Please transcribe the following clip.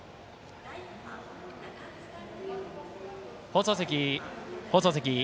放送席、放送席。